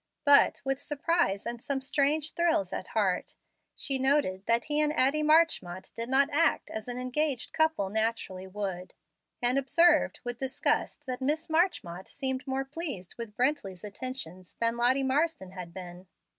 But, with surprise and some strange thrills at heart, she noted that he and Addie Marchmont did not act as an engaged couple naturally would; and observed, with disgust, that Miss Marchmont seemed more pleased with Brently's attentions than Lottie Marsden had been.